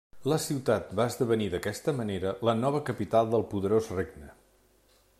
La ciutat va esdevenir d'aquesta manera la nova capital del poderós regne.